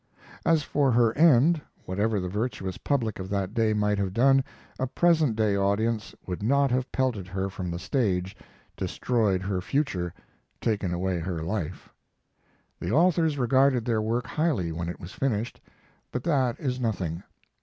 As for her end, whatever the virtuous public of that day might have done, a present day audience would not have pelted her from the stage, destroyed her future, taken away her life. The authors regarded their work highly when it was finished, but that is nothing.